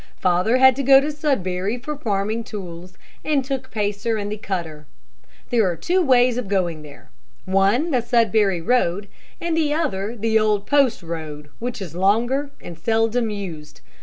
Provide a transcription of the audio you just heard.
"Father had to go to Sudbury for farming tools, and took Pacer and the cutter. There are two ways of going there one the Sudbury Road, and the other the old Post Road, which is longer and seldom used.